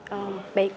oh baik bu